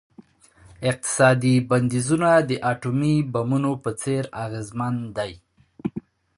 اقتصادي بندیزونه د اټومي بمونو په څیر اغیزمن دي.